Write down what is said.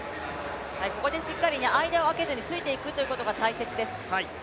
ここでしっかり間をあけずについていくことが大切です。